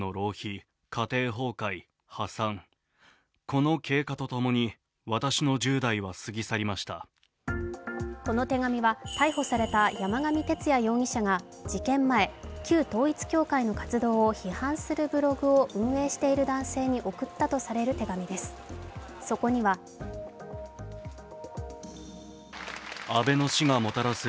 この手紙は逮捕された山上徹也容疑者が事件前、旧統一教会の活動を批判するブログを運営している男性に送ったとされる手紙です。